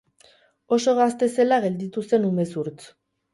Oso gazte zela gelditu zen umezurtz.